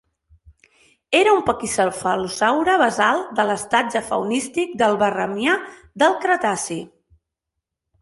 Era un paquicefalosaure basal de l'estatge faunístic del Barremià del Cretaci.